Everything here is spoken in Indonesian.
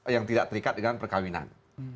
yang tidak terikat dengan perkawinan